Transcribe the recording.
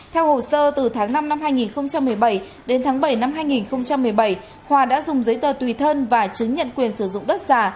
theo hồ sơ từ tháng năm năm hai nghìn một mươi bảy đến tháng bảy năm hai nghìn một mươi bảy hòa đã dùng giấy tờ tùy thân và chứng nhận quyền sử dụng đất giả